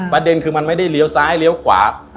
ประเด็นคือมันไม่ได้เลี้ยวซ้ายเลี้ยวขวา